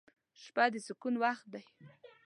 • شپه د سکون وخت دی.